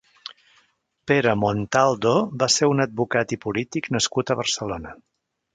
Pere Montaldo va ser un advocat i polític nascut a Barcelona.